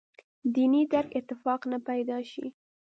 دیني درک اتفاق نه پیدا شي.